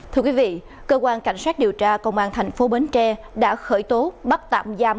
thưa quý vị cơ quan cảnh sát điều tra công an thành phố bến tre đã khởi tố bắt tạm giam